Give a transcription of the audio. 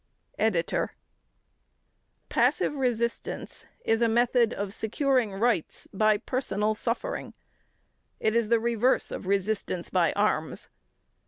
EDITOR: Passive resistance is a method of securing rights by personal suffering; it is the reverse of resistance by arms.